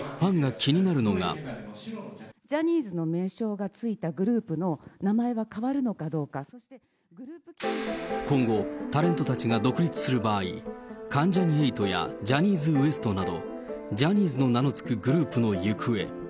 ジャニーズの名称が付いたグ今後、タレントたちが独立する場合、関ジャニ∞やジャニーズＷＥＳＴなど、ジャニーズの名の付くグル